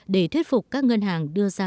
để thuyết phục các ngân hàng đưa ra